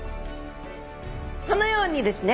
このようにですね